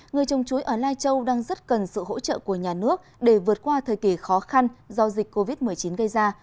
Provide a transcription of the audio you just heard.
người trồng chuối ở lai châu đang rất cần sự hỗ trợ của nhà nước để vượt qua thời kỳ khó khăn do dịch covid một mươi chín gây ra